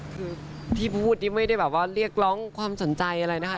คือที่พูดนี่ไม่ได้แบบว่าเรียกร้องความสนใจอะไรนะคะ